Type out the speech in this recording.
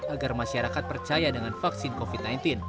agar masyarakat percaya dengan vaksin covid sembilan belas